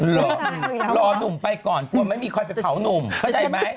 รอรอนุ่มไปก่อนกลัวไม่มีใครไปเผาหนุ่มเข้าใจไหม